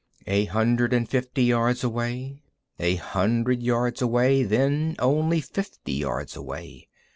A hundred and fifty yards away, a hundred yards away, then only fifty yards away.